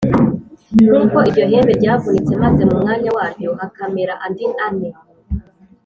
Nk uko iryo hembe ryavunitse maze mu mwanya waryo hakamera andi ane